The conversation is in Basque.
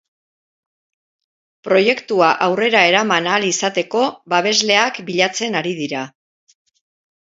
Proiektua aurrera eraman ahal izateko babesleak bilatzen ari dira.